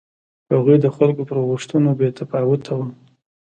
هغوی د خلکو پر غوښتنو بې تفاوته و.